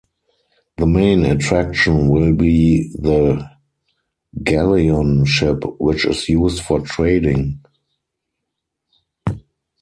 The main attraction will be the Galleon ship which is used for trading.